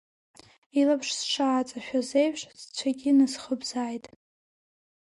Илаԥш сшааҵашәаз еиԥш, сцәагьы насхыбзааит.